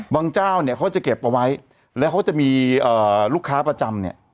เจ้าเนี่ยเขาจะเก็บเอาไว้แล้วเขาจะมีลูกค้าประจำเนี่ย